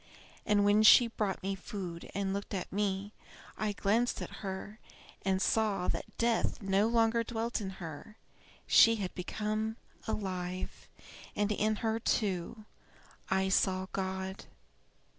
And when she brought me food and looked at me, I glanced at her and saw that death no longer dwelt in her; she had become alive, and in her, too, I saw God.